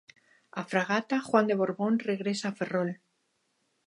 A fragata Juan de Borbón regresa a Ferrol.